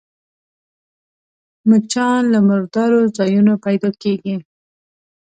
مچان له مردارو ځایونو پيدا کېږي